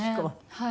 はい。